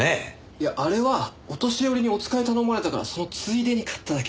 いやあれはお年寄りにお使いを頼まれたからそのついでに買っただけ。